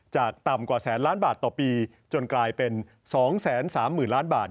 ต่ำกว่าแสนล้านบาทต่อปีจนกลายเป็น๒๓๐๐๐ล้านบาท